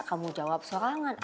kamu jawab sorangan